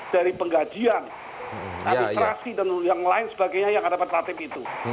dari penggajian administrasi dan yang lain sebagainya yang ada pada tatip itu